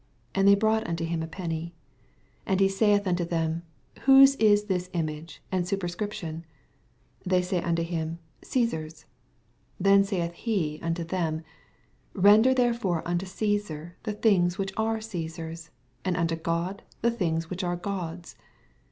And they brought unto him a penny. 20 And he with unto them^^ hfln it this image and supencriptLon I 21 They say unto him, Cttsafs. Then aaith he unto them, Bender therefore unto Cssar the things which are Cesar's : and unto God the thingi which are God's.